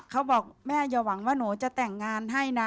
เขาบอกแม่อย่าหวังว่าหนูจะแต่งงานให้นะ